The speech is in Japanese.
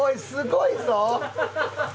すごいぞ！